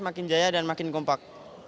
makin jaya dan makin kompak